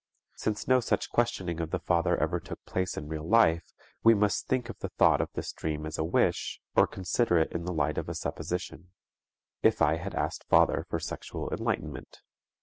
Since no such questioning of the father ever took place in real life, we must think of the thought of this dream as a wish or consider it in the light of a supposition, "If I had asked father for sexual enlightenment."